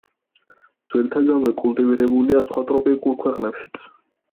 ძველთაგანვე კულტივირებულია სხვა ტროპიკულ ქვეყნებშიც.